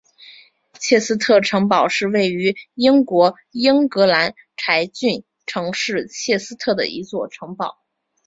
切斯特城堡是位于英国英格兰柴郡城市切斯特的一座城堡。